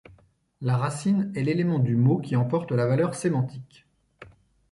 La racine est l'élément du mot qui en porte la valeur sémantique.